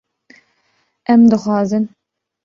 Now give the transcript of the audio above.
Em dixwazin